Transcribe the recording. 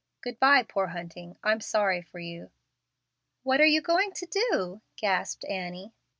Good by, poor Hunting, I'm sorry for you." "What are you going to do?" gasped Annie.